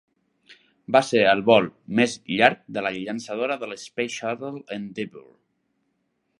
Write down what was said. Va ser el vol més llarg de la llançadora de l'Space shuttle Endeavour.